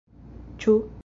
Ĉu?